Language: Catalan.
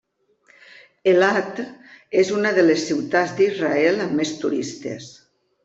Elat és una de les ciutats d'Israel amb més turistes.